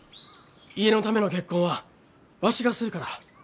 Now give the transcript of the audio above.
家のための結婚はわしがするから。